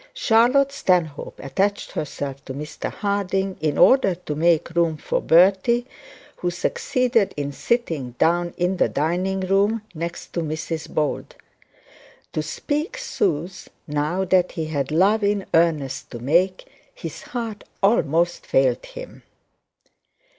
Charlotte Stanhope attached herself to Mr Harding in order to make room for Bertie, who succeeded in sitting down in the dining room next to Mrs Bold. To speak sooth, now that he had love in earnest to make, his heart almost failed him.